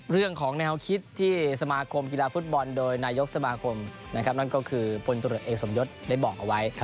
เรื่องของแนวคิดที่สมาคมกีฬาฟุตบอลโดยนายกสมาคมนั่นก็คือพลตรวจเอกสมยศได้บอกเอาไว้